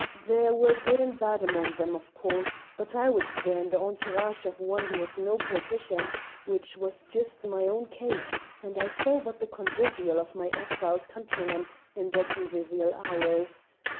There were good and bad among them, of course, but I was there in the entourage of one who was no politician, which was just my own case, and I saw but the convivial of my exiled countrymen in their convivial hours.